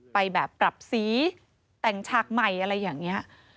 ไปแบบปรับสีแต่งฉากใหม่อะไรอย่างนี้